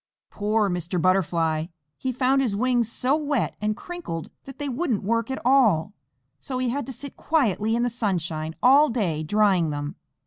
Poor Mr. Butterfly! He found his wings so wet and crinkled that they wouldn't work at all, so he had to sit quietly in the sunshine all day drying them.